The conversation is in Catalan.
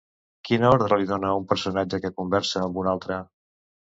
Quina ordre li dona un personatge que conversa amb un altre?